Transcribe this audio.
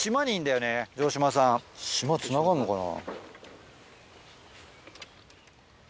島つながんのかな。